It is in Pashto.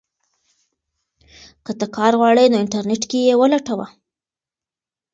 که ته کار غواړې نو انټرنیټ کې یې ولټوه.